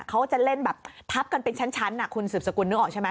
เขาจะเล่นแบบทับกันเป็นชั้นคุณสืบสกุลนึกออกใช่ไหม